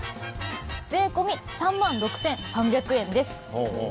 税込３万６３００円です。